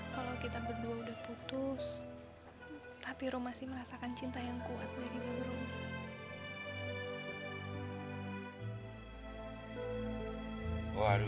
kalau kita berdua udah putus tapi ro masih merasakan cinta yang kuat dari burung